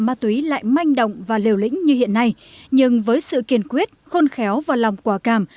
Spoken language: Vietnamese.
ma túy lại manh động và liều lĩnh như hiện nay nhưng với sự kiên quyết khôn khéo và lòng quả cảm